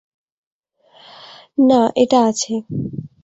না, এটা আছে।